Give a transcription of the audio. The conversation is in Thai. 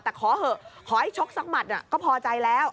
แต่ขอเหอะขอให้ชกสักหมัดก็พอใจแล้ว